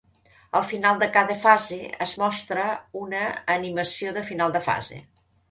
Al final de cada fase es mostra una "animació de final de fase".